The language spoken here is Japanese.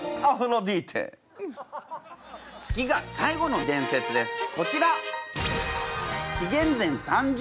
次が最後の伝説です。